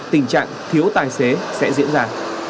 tình trạng thiếu tài xế sẽ diễn ra